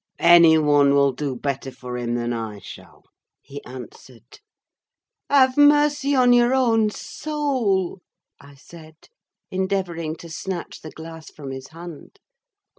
"Any one will do better for him than I shall," he answered. "Have mercy on your own soul!" I said, endeavouring to snatch the glass from his hand.